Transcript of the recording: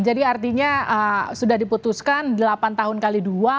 jadi artinya sudah diputuskan delapan tahun kali dua